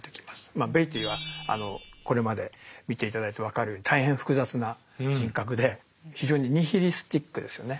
まあベイティーはこれまで見て頂いて分かるように大変複雑な人格で非常にニヒリスティックですよね。